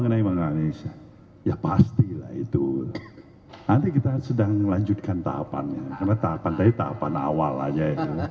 nanti kita sedang melanjutkan tahapannya karena tahapan tadi tahapan awal saja